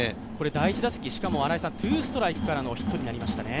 第１打席、ツーストライクからのヒットになりましたね。